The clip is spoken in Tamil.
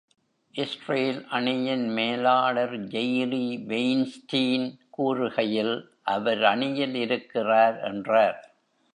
இஸ்ரேல் அணியின் மேலாளர் ஜெர்ரி வெய்ன்ஸ்டீன் கூறுகையில்: அவர் அணியில் இருக்கிறார் என்றார்.